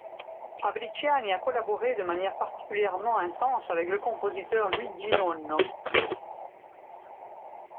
Fabbriciani a collaboré de manière particulièrement intense avec le compositeur Luigi Nono.